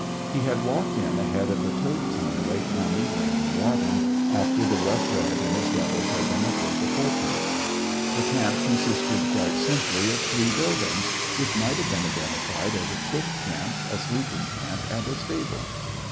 He had walked in ahead of the tote team late one evening in the autumn, after the Rough Red and his devils had been at work a fortnight. The camp consisted quite simply of three buildings, which might have been identified as a cook camp, a sleeping camp, and a stable.